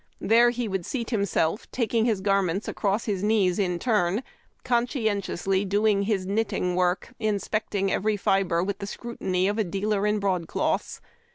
There he would seat himself taking his garments across his knees in turn, conscientiously doing his (k)nitting work, inspecting every fibre with the scrutiny of a dealer in broadcloths.